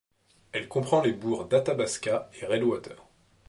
Elle comprend les bourgs d'Athabasca et Redwater.